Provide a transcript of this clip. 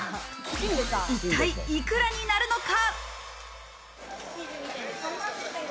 一体、いくらになるのか。